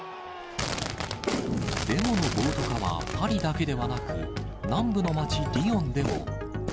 デモの暴徒化はパリだけではなく、南部の街リヨンでも。